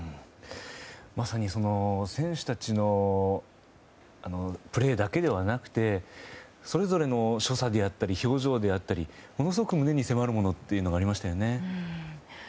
まさに選手たちのプレーだけではなくてそれぞれの所作であったり表情であったりものすごく胸に迫るものがありましたよね。